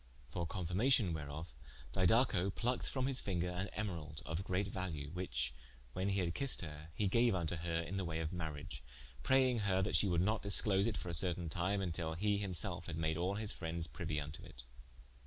For confirmation whereof, Didaco plucked from his finger an Emeralde of great value, which (when he had kissed her) he gaue vnto her in the waye of mariage, praying her that she would not disclose it for a certaine time, vntill he him selfe had made all his frendes priuie vnto it.